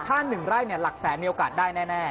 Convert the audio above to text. ถ้า๑ไร่หลักแสนมีโอกาสได้แน่